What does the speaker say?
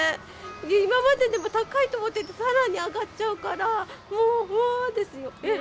今まででも高いと思ってて、さらに上がっちゃうから、もう、わーですよ。